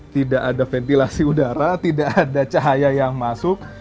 tidak ada ventilasi udara tidak ada cahaya yang masuk